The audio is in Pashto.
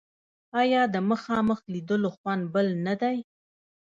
آیا د مخامخ لیدلو خوند بل نه دی؟